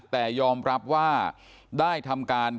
แต่ยอมรับว่าได้ทำการ